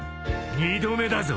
二度目だぞ！